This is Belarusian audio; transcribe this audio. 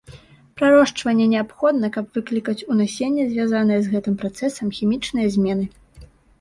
Прарошчванне неабходна, каб выклікаць у насенні звязаныя з гэтым працэсам хімічныя змены.